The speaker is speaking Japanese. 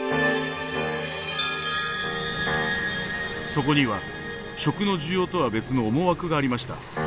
そこには食の需要とは別の思惑がありました。